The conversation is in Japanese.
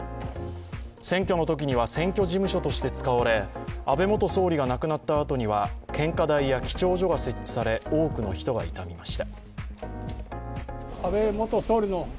選挙のときには選挙事務所として使われ安倍元総理が亡くなったあとには献花台や記帳所が設置され多くの人が悼みました。